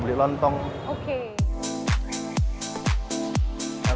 masih ini terserah